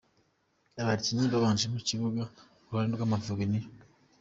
Abakinnyi babanje mu kibuga kuruhande rw’Amavubi ni:.